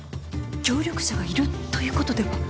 協力者がいるということでは？